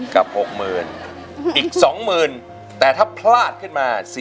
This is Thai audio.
กับ๖๐๐๐อีก๒๐๐๐แต่ถ้าพลาดขึ้นมา